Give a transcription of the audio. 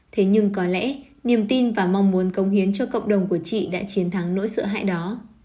thế nhưng có lẽ niềm tin và mong muốn công hiến cho cộng đồng của chị đã chiến thắng nỗi sợ hãi đó